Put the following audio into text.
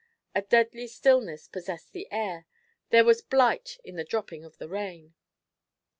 A deadly stillness possessed the air; there was blight in the dropping of the rain.